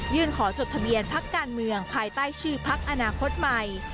ขอจดทะเบียนพักการเมืองภายใต้ชื่อพักอนาคตใหม่